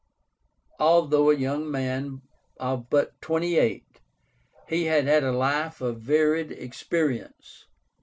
Although a young man of but twenty eight, he had had a life of varied experience.